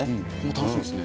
楽しみですね。